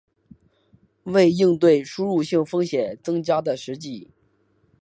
为应对输入性风险增加的实际